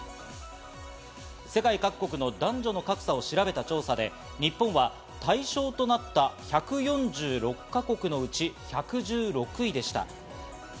世界各国の男女の格差を調べた調査で日本は対象となった１４６か国のうち、１１６位でした。